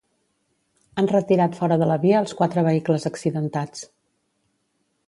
Han retirat fora de la via els quatre vehicles accidentats.